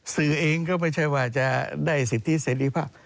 สื่อเองก็ไม่ใช่ว่าจะได้สิทธิเสรีภาพ